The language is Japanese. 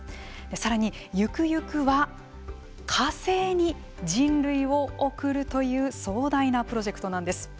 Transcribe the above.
さらに、ゆくゆくは火星に人類を送るという壮大なプロジェクトなんです。